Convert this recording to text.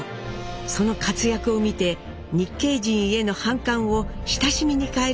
その活躍を見て日系人への反感を親しみに変えるカナダ人もいました。